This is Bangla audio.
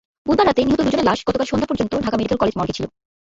বুধবার রাতে নিহত দুজনের লাশ গতকাল সন্ধ্যা পর্যন্ত ঢাকা মেডিকেল কলেজ মর্গে ছিল।